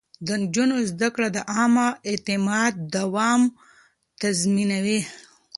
د نجونو زده کړه د عامه اعتماد دوام تضمينوي.